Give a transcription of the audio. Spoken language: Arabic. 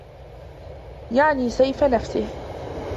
يَعْنِي سَيْفَ نَفْسِهِ